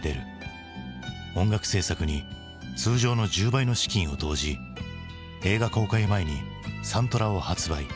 音楽制作に通常の１０倍の資金を投じ映画公開前にサントラを発売。